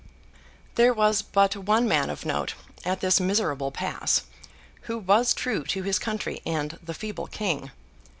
There was but one man of note, at this miserable pass, who was true to his country and the feeble King.